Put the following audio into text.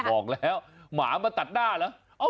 บอกแล้วหมามาตัดหน้าเหรอ